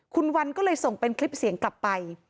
คุณวันก็เลยส่งเป็นคลิปเสียงกลับไป